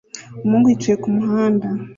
Umuhungu yicaye kumuhanda